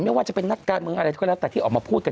ไม่ว่าจะเป็นนักการเมืองอะไรก็แล้วแต่ที่ออกมาพูดกัน